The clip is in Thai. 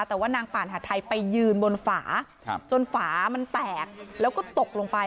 แต่ว่านางป่านหาดไทยไปยืนบนฝาจนฝามันแตกแล้วก็ตกลงไป